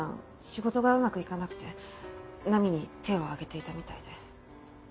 仕事がうまくいかなくて菜美に手をあげていたみたいで。